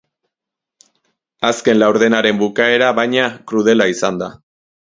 Azken laurdenaren bukaera, baina, krudela izan da.